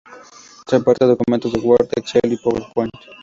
Soporta documentos de Word, Excel, y Powerpoint.